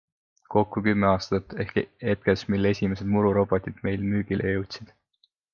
Kokku kümme aastat ehk hetkest, mil esimesed mururobotid meil müügile jõudsid.